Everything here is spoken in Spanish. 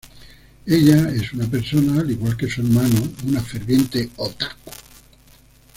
Ella es una persona al igual que su hermano, una ferviente Otaku.